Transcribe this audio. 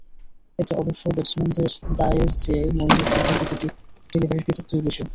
এতে অবশ্য ব্যাটসম্যানদের দায়ের চেয়ে মঈনের দুর্দান্ত দুটি ডেলিভারির কৃতিত্বই বেশি।